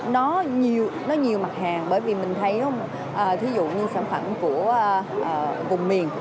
nó nhiều mặt hàng bởi vì mình thấy thí dụ như sản phẩm của vùng miền